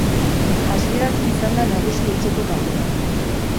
Hasieratik izan da nagusi etxeko taldea.